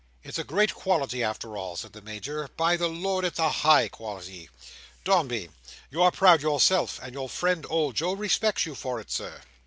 "It's a great quality after all," said the Major. "By the Lord, it's a high quality! Dombey! You are proud yourself, and your friend, Old Joe, respects you for it, Sir."